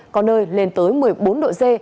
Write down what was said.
có nơi lên tới một mươi bốn độ c